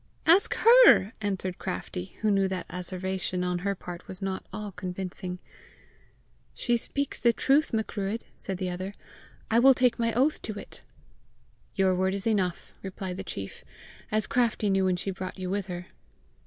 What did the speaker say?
"Ask HER," answered Craftie, who knew that asseveration on her part was not all convincing. "She speaks the truth, Macruadh," said the other. "I will take my oath to it." "Your word is enough," replied the chief, " as Craftie knew when she brought you with her."